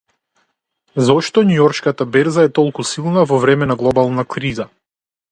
Зошто Њујоршката берза е толку силна во време на глобална криза